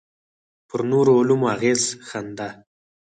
پر نورو علومو اغېز ښنده.